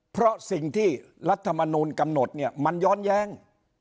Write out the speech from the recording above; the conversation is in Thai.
เพราะสิ่งที่รัฐมนูลกำหนดเนี่ยมันย้อนแย้ง